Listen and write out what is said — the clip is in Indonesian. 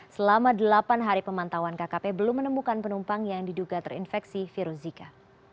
selama delapan hari pemantauan kkp belum menemukan penumpang yang diduga terinfeksi virus zika